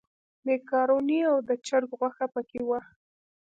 مېکاروني او د چرګ غوښه په کې وه.